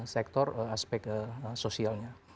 sektor aspek sosialnya